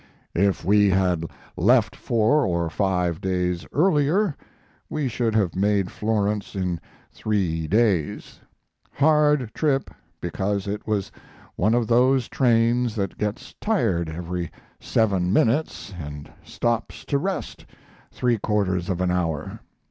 If we had left four or five days earlier we should have made Florence in three days. Hard trip because it was one of those trains that gets tired every 7 minutes and stops to rest three quarters of an hour.